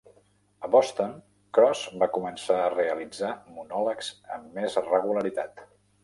A Boston, Cross va començar a realitzar monòlegs amb més regularitat.